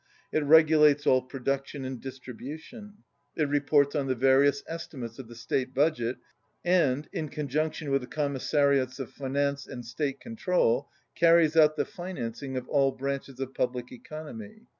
It regulates all production and dis tribution. It reports on the various estimates of the state budget and, in conjunction with the Commissariats of Finance and State Control, car ries out the financing of all branches of public economy.